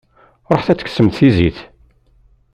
Ruḥet ad teksem tizit.